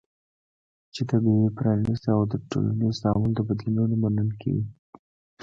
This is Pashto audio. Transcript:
چې طبیعي، پرانستې او د ټولنیز تعامل د بدلونونو منونکې وي